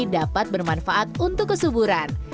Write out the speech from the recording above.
dapat bermanfaat untuk kesuburan